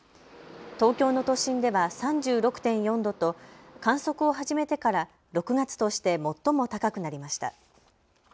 東京の都心では３６．４度と観測を始めてから６月として最も高くなりました。